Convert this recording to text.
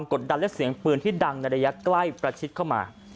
กดดันและเสียงปืนที่ดังในระยะใกล้ประชิดเข้ามา